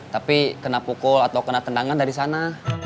tapi kena pukul atau kena tendangan dari sana